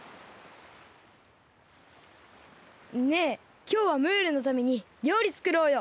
ねえきょうはムールのためにりょうりつくろうよ。